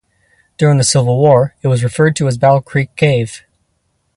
During the Civil War, it was referred to as Battle Creek Cave.